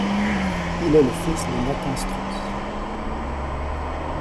Il est le fils de Nathan Straus.